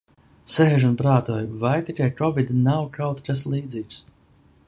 Sēžu un prātoju, vai tikai "Kovid" nav kaut kas līdzīgs.